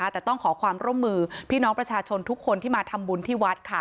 แต่ต้องขอความร่วมมือพี่น้องประชาชนทุกคนที่มาทำบุญที่วัด